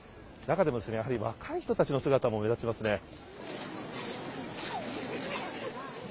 中でも、やはり若い人たちの姿も目立ちますね。